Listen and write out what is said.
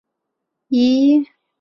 索利尼莱埃唐格。